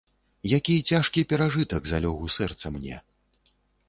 Які цяжкі перажытак залёг у сэрца мне.